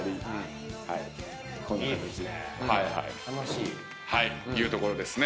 いいっすね。